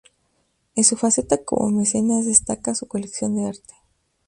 En su faceta como mecenas destaca su colección de arte.